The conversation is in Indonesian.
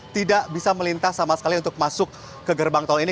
tidak bisa melintas sama sekali untuk masuk ke gerbang tol ini